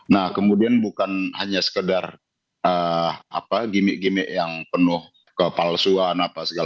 nah kemudian bukan hanya sekedar gimik gimik yang penuh kepalsuan